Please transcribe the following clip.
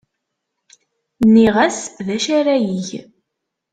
Nniɣ-as d acu ara yeg.